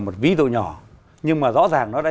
một ví dụ nhỏ nhưng mà rõ ràng nó đã